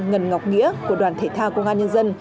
ngân ngọc nghĩa của đoàn thể thao công an nhân dân